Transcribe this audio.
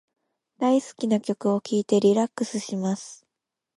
大好きな曲を聞いてリラックスします。